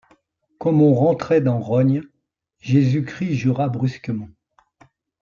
Comme on rentrait dans Rognes, Jésus-Christ jura brusquement.